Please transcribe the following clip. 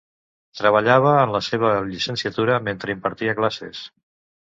Treballava en la seva llicenciatura mentre impartia classes.